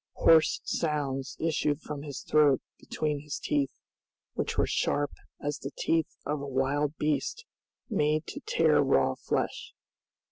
Hoarse sounds issued from his throat between his teeth, which were sharp as the teeth of a wild beast made to tear raw flesh.